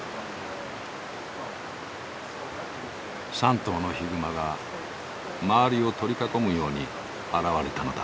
３頭のヒグマが周りを取り囲むように現れたのだ。